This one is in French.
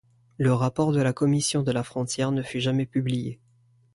Le rapport de la Commission de la frontière ne fut jamais publié.